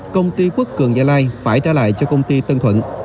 công ty quốc cường gia lai phải trả lại cho công ty tân thuận